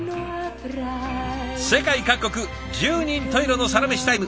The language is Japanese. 世界各国十人十色のサラメシタイム。